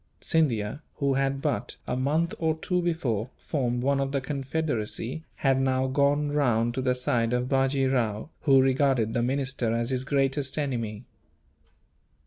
Scindia, who had but a month or two before formed one of the confederacy, had now gone round to the side of Bajee Rao, who regarded the minister as his greatest enemy.